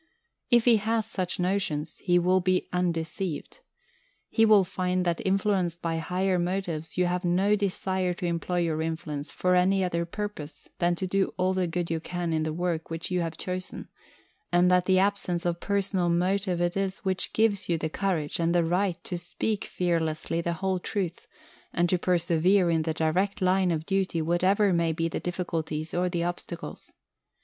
If he has such notions, he will be undeceived. He will find that influenced by higher motives you have no desire to employ your influence for any other purpose than to do all the good you can in the work which you have chosen, and that the absence of personal motive it is which gives you the courage and the right to speak fearlessly the whole truth, and to persevere in the direct line of duty whatever may be the difficulties or the obstacles.